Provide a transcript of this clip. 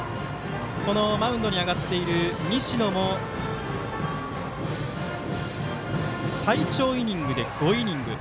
このマウンドに上がっている西野も最長イニングで５イニング。